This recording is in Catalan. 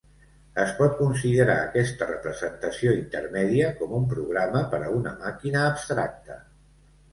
Es pot considerar aquesta representació intermèdia com un programa per a una màquina abstracta.